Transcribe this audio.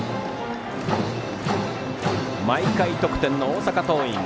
毎回得点の大阪桐蔭。